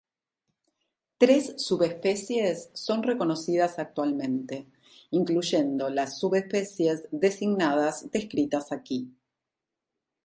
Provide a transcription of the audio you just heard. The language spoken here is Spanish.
Tres subespecies son reconocidas actualmente, incluyendo las subespecies designadas descritas aquí.